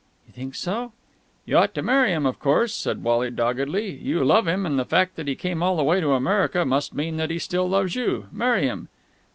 "You think so?" "You ought to marry him, of course," said Wally doggedly. "You love him, and the fact that he came all the way to America must mean that he still loves you. Marry him!"